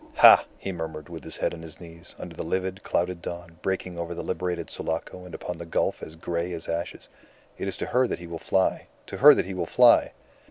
"Ha!" he murmured, with his head on his knees, under the livid clouded dawn breaking over the liberated Sulaco and upon the gulf as gray as ashes. "It is to her that he will fly. To her that he will fly!"